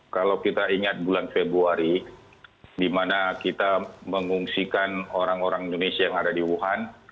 kalau kita ingat bulan februari di mana kita mengungsikan orang orang indonesia yang ada di wuhan